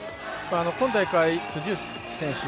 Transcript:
今大会、辻内選手